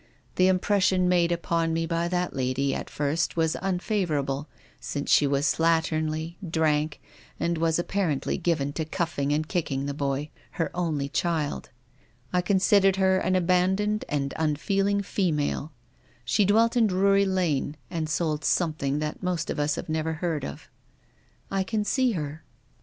The impression made upon me by that lady at first was unfavourable, since she was slatternly, drank, and was apparently given to cuffing and lacking the boy — her only child. I considered her an abandoned and unfeeling female. She dwelt in Drury Lane and sold somelhing that most of us have never heard of." " I can see her," 30 TONGUES OF CONSCIENCE.